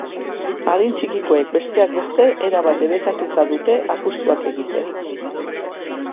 Adin txikikoek, besteak beste, erabat debekatuta dute apustuak egitea.